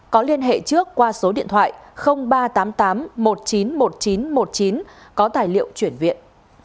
có liên hệ trước qua số điện thoại ba trăm tám mươi tám một trăm chín mươi một nghìn chín trăm một mươi chín có tài liệu chuyển viện